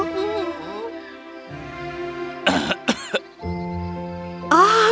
gila aku mau manggung